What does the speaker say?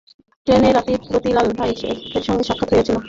ট্রেনে রতিলাল ভাই-এর সঙ্গে সাক্ষাৎ হয়েছিল।